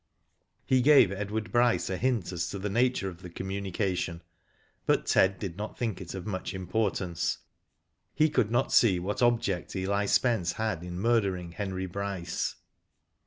He gave Edward Bryce a hint as to the nature of the communication, *}ofvit ^ Ted did not think it of much importance. ^ He* cotfld not see what object Eli Spence had in murdering Henry Bryce.